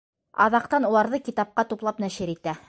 Аҙаҡтан уларҙы китапҡа туплап нәшер итә.